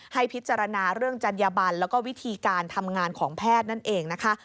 ให้พิจารณาเรื่องจัญญบันแล้วก็วิธีการทำงานของแพทย์นั่นเองนะคะ